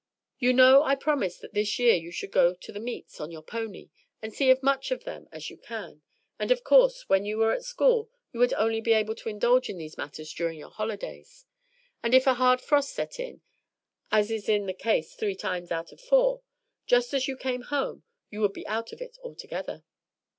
You know I promised that this year you should go to the meets on your pony, and see as much of them as you can, and of course when you were at school you would only be able to indulge in these matters during your holidays; and if a hard frost set in, as is the case three times out of four, just as you came home, you would be out of it altogether.